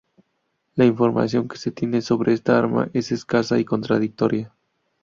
La información que se tiene sobre esta arma es escasa y contradictoria.